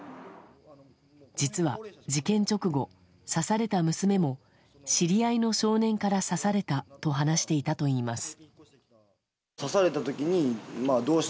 実は事件直後、刺された娘も知り合いの少年から刺されたと話していたといいます。